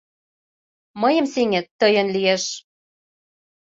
— Мыйым сеҥет — тыйын лиеш...